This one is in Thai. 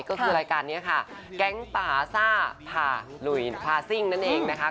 ก็คือรายการนี้ค่ะแก๊งป่าซ่าผ่าหลุยพาซิ่งนั่นเองนะคะ